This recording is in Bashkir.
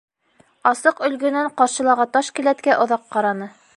Асыҡ өлгөнән ҡаршылағы таш келәткә оҙаҡ ҡараны.